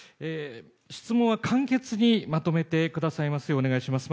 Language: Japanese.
質問は簡潔にまとめてくださいますようお願いします。